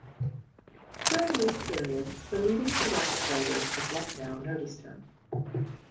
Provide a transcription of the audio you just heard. During this period, the leading progressive writers of Lucknow noticed him.